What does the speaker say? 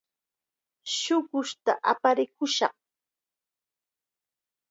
Shuqushta aparikushaq.